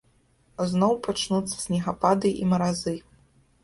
Зноў пачнуцца снегапады і маразы.